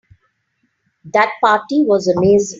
That party was amazing.